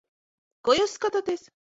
Ko jūs skatāties?